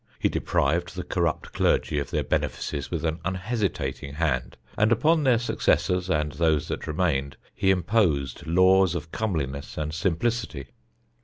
He deprived the corrupt clergy of their benefices with an unhesitating hand, and upon their successors and those that remained he imposed laws of comeliness and simplicity.